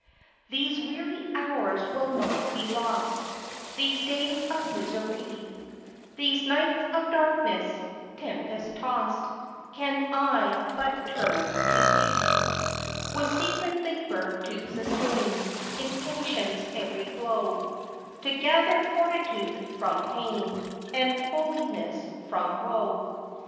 These weary hours will not be lost, These days of misery, These nights of darkness, tempest tossed, Can I but turn to Thee; With secret labor to sustain In patience every blow, To gather fortitude from pain, And holiness from woe.